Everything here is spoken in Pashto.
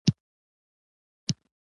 زه د خپل پلار سره درس وایم